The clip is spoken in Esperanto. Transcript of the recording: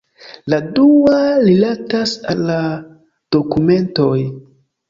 La dua rilatas al la dokumentoj.